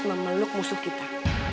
memeluk musuh kita